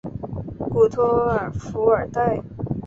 古托尔弗尔代。